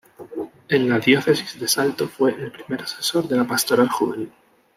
En la Diócesis de Salto fue el primer asesor de la pastoral juvenil.